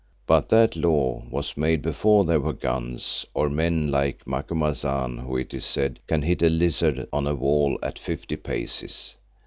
But that law was made before there were guns, or men like Macumazahn who, it is said, can hit a lizard on a wall at fifty paces.